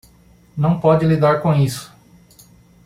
Não pode lidar com isso